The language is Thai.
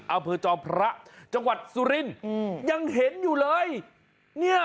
เอาเผื่อจอพระจังหวัดสุรินยังเห็นอยู่เลย